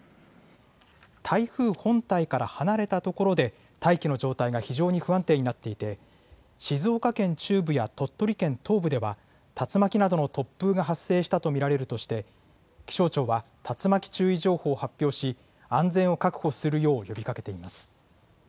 台風本体から離れた所で、大気の状態が非常に不安定になっていて、静岡県中部や鳥取県東部では、竜巻などの突風が発生したと見られるとして、気象庁は竜巻注意情報を発表し、安全を確保するよう呼びかけています。